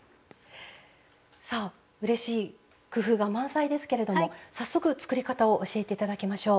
さあうれしい工夫が満載ですけれども早速作り方を教えて頂きましょう。